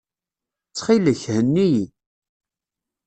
Ttxil-k, henni-iyi.